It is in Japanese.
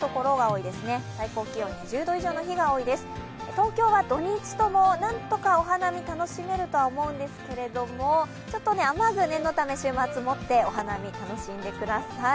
東京は土日ともなんとかお花見楽しめると思うんですけれども、ちょっと雨具、念のため週末持ってお花見を楽しんでください。